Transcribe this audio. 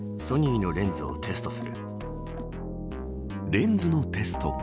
レンズのテスト。